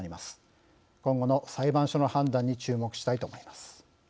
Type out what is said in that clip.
今後の裁判所の判断に注目したいと思います。